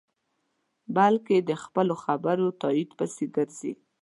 بلکې د خپلو خبرو تایید پسې گرځي.